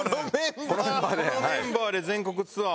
このメンバーで全国ツアー。